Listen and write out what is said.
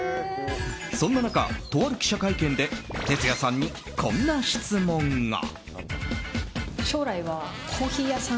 そんな中、とある記者会見でＴＥＴＳＵＹＡさんにこんな質問が。